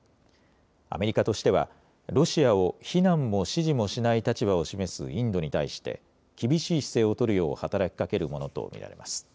アメリカとしてはロシアを非難も支持もしない立場を示すインドに対して厳しい姿勢を取るよう働きかけるものと見られます。